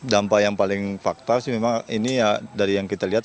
dampak yang paling faktas memang ini dari yang kita lihat